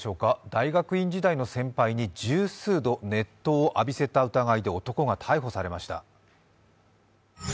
大学院時代の先輩に十数度、熱湯を浴びせた疑いで男が逮捕されました。